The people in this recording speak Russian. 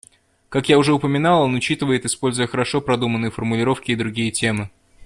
Как я уже упоминал, он учитывает, используя хорошо продуманные формулировки, и другие темы.